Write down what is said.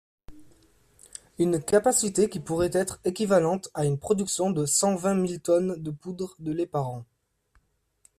Une capacité qui pourrait être équivalente à une production de cent vingt mille tonnes de poudre de lait par an.